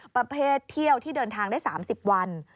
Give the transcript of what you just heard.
ประเภทเที่ยวที่เดินทางได้๓๐วัน